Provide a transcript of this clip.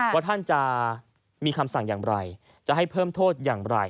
ว่าท่านจะมีคำสั่งอย่างไรจะให้เพิ่มโทษอย่างไร